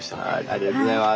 ありがとうございます。